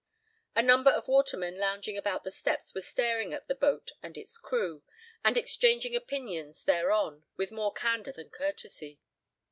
A number of watermen lounging about the steps were staring at the boat and its crew, and exchanging opinions thereon with more candor than curtesy.